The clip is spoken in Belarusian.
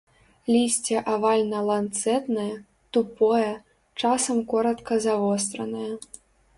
Лісце авальна-ланцэтнае, тупое, часам коратка завостранае.